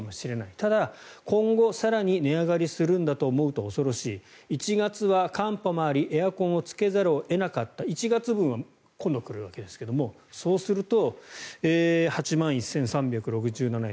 ただ、今後、更に値上がりするんだと思うと恐ろしい１月は寒波もありエアコンをつけざるを得なかった１月分は今度来るわけですがそうすると８万１３６７円。